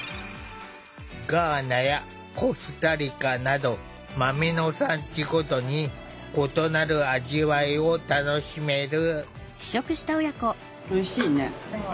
ガーナやコスタリカなど豆の産地ごとに異なる味わいを楽しめる。